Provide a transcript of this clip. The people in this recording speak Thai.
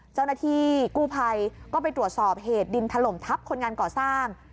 เจ้าหน้าที่กู้ภัยก็ไปตรวจสอบเหตุดินถล่มทับคนงานก่อสร้าง